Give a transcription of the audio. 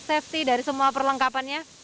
safety dari semua perlengkapannya